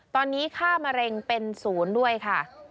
ตอนนี้ค่ามะเร็งเป็นศูนย์ด้วยค่ะ